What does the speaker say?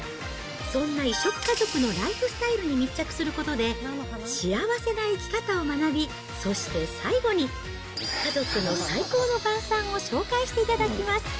そんな異色家族のライフスタイルに密着することで、幸せな生き方を学び、そして最後に、家族の最高の晩さんを紹介していただきます。